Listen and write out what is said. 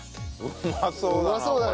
うまそうだ